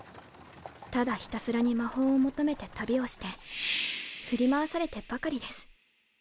ただひたすらに魔法を求めて旅をして振り回されてばかりです。